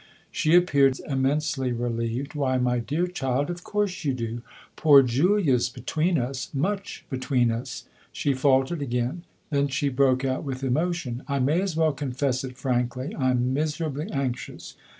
She appeared immensely relieved. " Why, my dear child, of course you do ! Poor Julia's between us much between us." She faltered again ; then she broke out with emotion :" I may as well confess it frankly I'm miserably anxious.